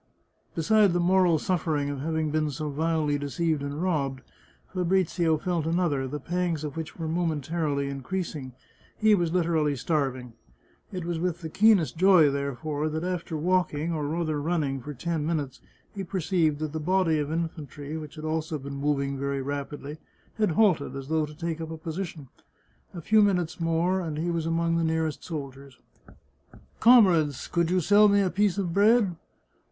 Besides the moral suffering of having been so vilely deceived and robbed, Fabrizio felt another, the pangs of which were momentarily increasing — he was literally starv ing. It was with the keenest joy, therefore, that after walk ing, or rather running, for ten minutes, he perceived that the body of infantry, which had also been moving very rapidly, had halted, as though to take up a position. A few minutes more and he was among the nearest soldiers. " Comrades, could you sell me a piece of bread